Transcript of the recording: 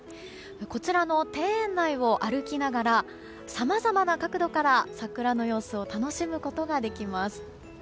こちらの庭園内を歩きながらさまざまな角度から桜の様子を楽しむことができます。